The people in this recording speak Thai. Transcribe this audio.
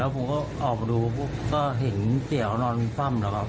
แล้วผมก็ออกมาดูก็เห็นเตี๋ยวนอนปั้มแล้วอ่ะ